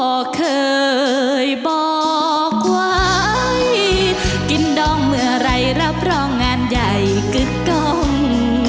ก็เคยบอกไว้กินดองเมื่อไหร่รับรองงานใหญ่กึดกล้อง